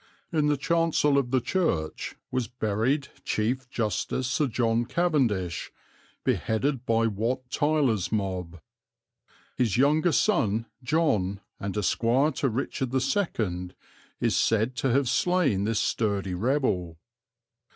"In the chancel of the Church was buried Chief Justice Sir John Cavendish, beheaded by Wat Tyler's mob. His younger son, John, and Esquire to Richard II is said to have slain this sturdy rebel."